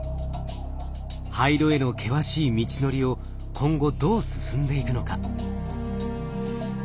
廃炉への険しい道のりを今後どう進んでいくのか？